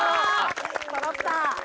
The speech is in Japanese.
そろった！